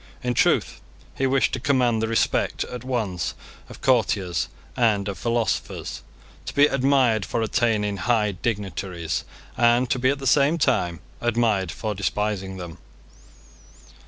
In truth he wished to command the respect at once of courtiers and of philosophers, to be admired for attaining high dignities, and to be at the same time admired for despising them.